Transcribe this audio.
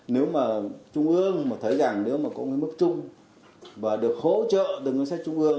nếu mà trung ương thấy rằng có mức trung và được hỗ trợ từ ngân sách trung ương